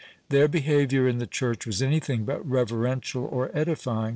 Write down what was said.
Their behaviour in the church was any thing but reverential or edifying.